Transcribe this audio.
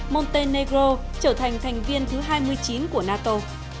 montenegro trở thành thành viên thứ hai mươi chín của nato